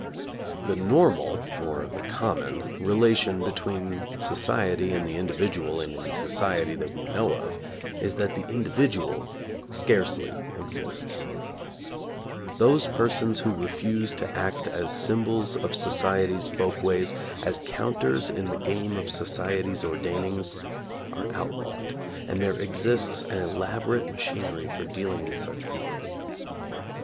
*TTie normal, or the common, relation between society and the individual in any society that we know of is that the individual scarcely existsj Those persons who refuse to act as symbols of so ciety's folk ways, as counters in the game of so ciety's ordainings, are outlawed, and there exists an elaborate machinery for dealing with such peo ple.